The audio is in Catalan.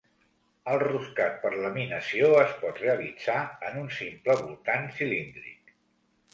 El roscat per laminació es pot realitzar en un simple voltant cilíndric.